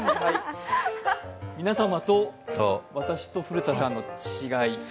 皆様と、私と古田さんの違い？